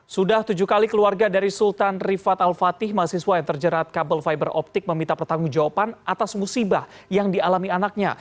sudah tujuh kali keluarga dari sultan rifat al fatih mahasiswa yang terjerat kabel fiber optik meminta pertanggung jawaban atas musibah yang dialami anaknya